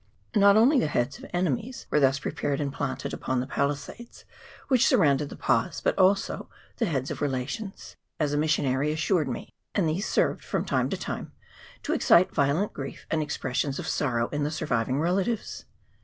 Not only the heads of enemies were thus prepared and planted upon the palisades which surrounded the pas, but also the heads of relations, as a missionary assured me ; and these served from time to time to excite violent grief and expressions of sorrow in the surviving relatives.